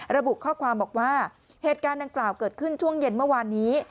ระบุข้อความบอกว่าเหตุการณ์ดังกล่าวเกิดขึ้นช่วงเย็นเมื่อวานนี้